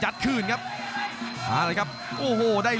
รับทราบบรรดาศักดิ์